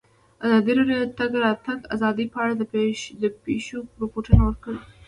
ازادي راډیو د د تګ راتګ ازادي په اړه د پېښو رپوټونه ورکړي.